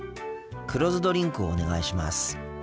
黒酢ドリンクをお願いします。